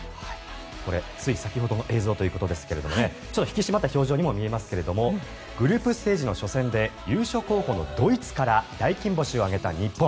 これ、つい先ほどの映像ということですがちょっと引き締まった表情にも見えますけどもグループステージの初戦で優勝候補のドイツから大金星を挙げた日本。